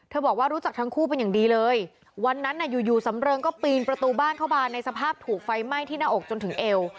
บอกว่ารู้จักทั้งคู่เป็นอย่างดีเลยวันนั้นน่ะอยู่อยู่สำเริงก็ปีนประตูบ้านเข้ามาในสภาพถูกไฟไหม้ที่หน้าอกจนถึงเอว